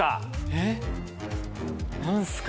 えっ？何すか？